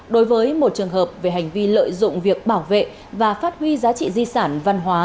đối với một trường hợp về hành vi lợi dụng việc bảo vệ và phát huy giá trị di sản văn hóa